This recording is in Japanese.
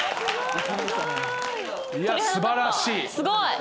すごい。